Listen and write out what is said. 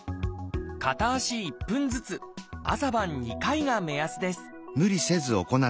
片足１分ずつ朝晩２回が目安です